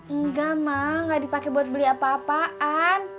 enggak mak gak dipake buat beli apa apaan